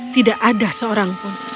tidak ada seorang pun